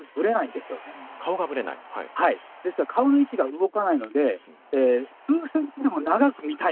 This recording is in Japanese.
☎ですから顔の位置が動かないので数ｃｍでも長く見たいんですよ